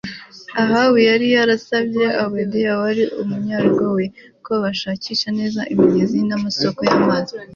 Ahabu yari yarasabye Obadiya wari umunyarugo we ko bashakisha neza imigezi namasoko yamazi